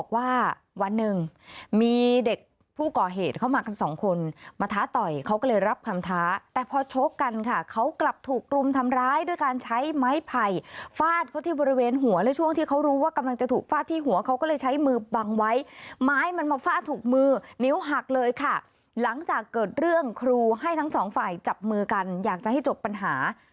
ว่าวันหนึ่งมีเด็กผู้ก่อเหตุเข้ามากันสองคนมาท้าต่อยเขาก็เลยรับคำท้าแต่พอชกกันค่ะเขากลับถูกรุมทำร้ายด้วยการใช้ไม้ไผ่ฟาดเขาที่บริเวณหัวและช่วงที่เขารู้ว่ากำลังจะถูกฟาดที่หัวเขาก็เลยใช้มือบังไว้ไม้มันมาฟาดถูกมือนิ้วหักเลยค่ะหลังจากเกิดเรื่องครูให้ทั้งสองฝ่ายจับมือกันอยากจะให้จบปัญหา